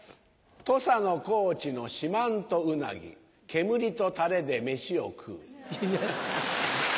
土佐の高知の四万十ウナギ煙とタレで飯を食う。